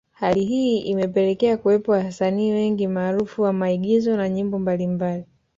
Hali hii imepelekea kuwepo wasanii wengi maarufu wa maigizo na nyimbo mbalimbali